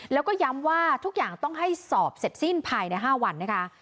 แล้วก็ย้ำว่าทุกอย่างต้องให้สอบเสร็จสิ้นภายใน๕วันนะคะ